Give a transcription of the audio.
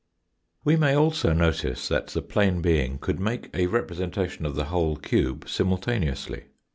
We may also notice that the plane being could make a representation of the whole cube simultaneously.